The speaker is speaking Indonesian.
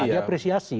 tentu saja diapresiasi